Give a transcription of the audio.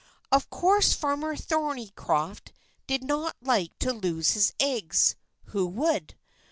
Of course Farmer Thornycroft did not like to lose his eggs who would?